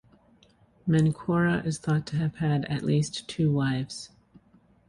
Menkaure is thought to have had at least two wives.